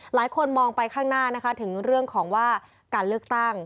หลายคนมองไปข้างหน้านะคะถึงเรื่องของว่าการเลือกตั้ง